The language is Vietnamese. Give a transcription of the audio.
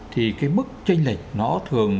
thì cái mức tranh lệch nó thường